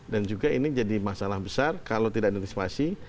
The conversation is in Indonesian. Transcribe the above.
dan juga ini jadi masalah besar kalau tidak di antispasi